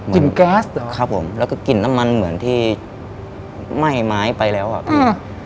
กลิ่นแกรสเหรอพี่แจ็คครับผมแล้วก็กลิ่นน้ำมันเหมือนที่ไหม้ไม้ไปแล้วครับพี่